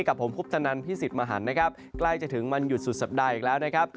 กับผมคุปตนันพี่สิทธิ์มหันนะครับใกล้จะถึงวันหยุดสุดสัปดาห์อีกแล้วนะครับ